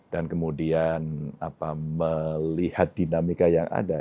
dan kemudian melihat dinamika yang ada